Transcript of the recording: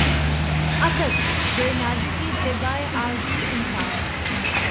اسد! بہ نازکیِ طبعِ آرزو انصاف